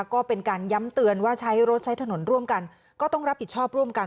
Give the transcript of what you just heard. ก็เป็นการย้ำเตือนว่าใช้รถใช้ถนนร่วมกันก็ต้องรับผิดชอบร่วมกัน